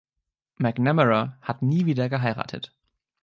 McNamara hat nie wieder geheiratet.